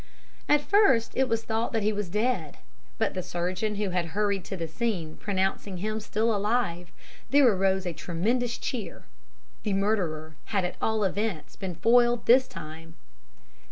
"At first it was thought that he was dead; but the surgeon who had hurried to the scene pronouncing him still alive, there arose a tremendous cheer. The murderer had at all events been foiled this time.